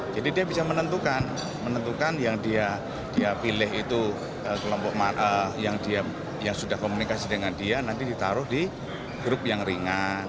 jadi dia bisa menentukan menentukan yang dia pilih itu yang sudah komunikasi dengan dia nanti ditaruh di grup yang ringan